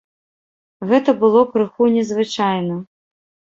Гэта было крыху незвычайна.